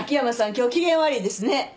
今日機嫌悪いですね。